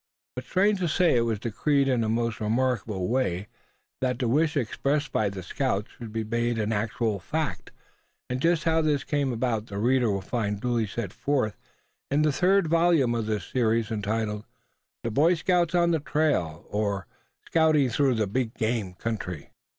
But strange to say it was decreed in a most remarkable way that the wish expressed by the scouts should be made an actual fact, and just how this came about the reader will find duly set forth in the third volume of this series entitled, "The Boy Scouts on the Trail, or Scouting through the Big Game Country."